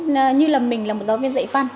như là mình là một giáo viên dạy văn